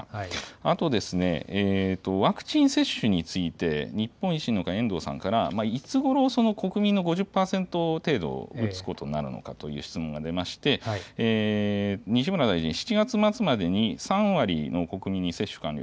あとワクチン接種について、日本維新の会、遠藤さんから、いつごろ国民の５０％程度、打つことになるのかという質問が出まして、西村大臣、７月末までに３割の国民に接種完了。